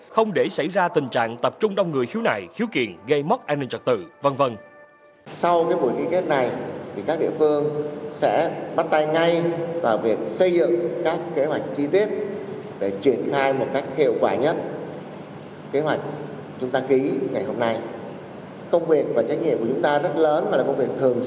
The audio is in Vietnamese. không để xảy ra tình trạng tập trung đông người khiếu nại khiếu kiện gây mất an ninh trật tự v v